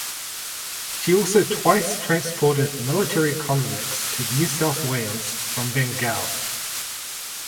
She also twice transported military convicts to New South Wales from Bengal.